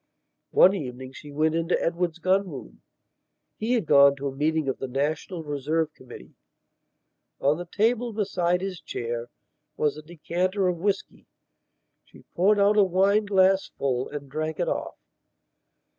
One evening she went into Edward's gun roomhe had gone to a meeting of the National Reserve Committee. On the table beside his chair was a decanter of whisky. She poured out a wineglassful and drank it off.